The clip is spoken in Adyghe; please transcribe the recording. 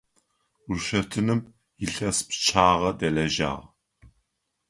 Ушэтыным илъэс пчъагъэ дэлэжьагъ.